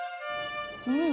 うん。